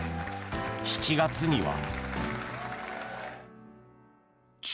７月には。